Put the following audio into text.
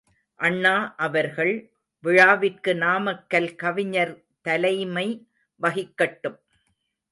அண்ணா அவர்கள் விழாவிற்கு நாமக்கல் கவிஞர் தலைமை வகிக்கட்டும்.